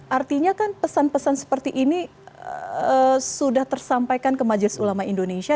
artinya kan pesan pesan seperti ini sudah tersampaikan ke majelis ulama indonesia